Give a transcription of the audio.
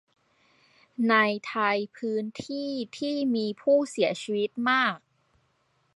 ในไทยพื้นที่ที่มีผู้เสียชีวิตมาก